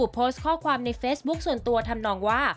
โพสต์ข้อความในเฟซบุ๊คส่วนตัวทำนองว่า